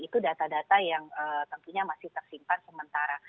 itu data data yang tentunya masih tersimpan sementara